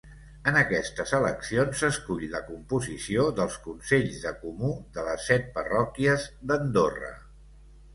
En aquestes eleccions s'escull la composició dels Consells de Comú de les set parròquies d'Andorra.